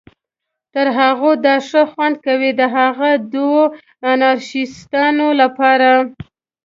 تر هغو دا ښه خوند کوي، د هغه دوو انارشیستانو لپاره.